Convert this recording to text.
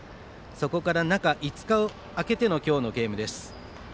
そこから中５日を空けての今日のゲームです。